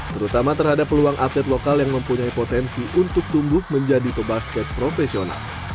terutama terhadap peluang atlet lokal yang mempunyai potensi untuk tumbuh menjadi pebasket profesional